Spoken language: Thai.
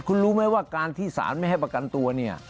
คุณรู้ไหมว่าการที่สารไม่ให้ประกันตัวเนี่ย